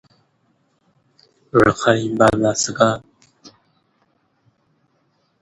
The time table.